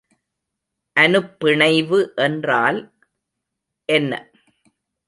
அனுப்பிணைவு என்றால் என்ன?